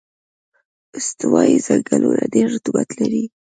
استوایي ځنګلونه ډېر رطوبت لري.